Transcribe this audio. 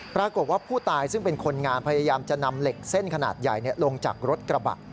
ปรากฏว่าผู้ตายซึ่งเป็นคนงานพยายามจะนำเหล็กเส้นขนาดใหญ่ลงจากรถกระบะ